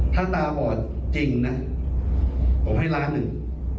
ถ้าตาบอดจริงนะผมให้ล้านหนึ่ง